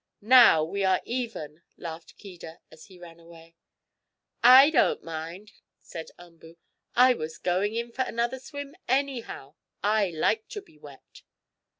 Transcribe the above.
"Now we are even!" laughed Keedah as he ran away. "I don't mind!" said Umboo. "I was going in for another swim, anyhow. I like to be wet."